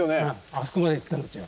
あそこまで行ったんですよ。